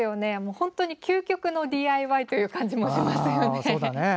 本当に究極のＤＩＹという感じしますよね。